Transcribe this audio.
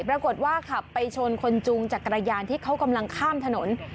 ปรากฏว่าขับไปชนคนจูงจักรยานที่เขากำลังข้ามถนน